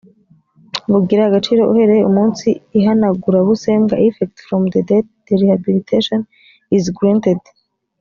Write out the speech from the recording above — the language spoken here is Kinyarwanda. bugira agaciro uhereye umunsi ihanagurabusembwa effect from the date the rehabilitation is granted